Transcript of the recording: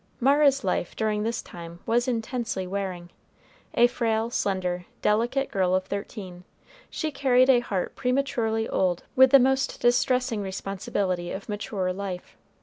Mara's life during this time was intensely wearing. A frail, slender, delicate girl of thirteen, she carried a heart prematurely old with the most distressing responsibility of mature life.